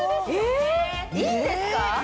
えいいんですか？